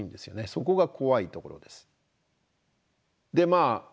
そこが怖いところです。